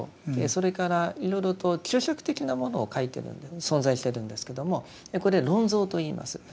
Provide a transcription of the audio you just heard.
それからいろいろと注釈的なものを書いてるんで存在してるんですけどもこれ「論蔵」といいます。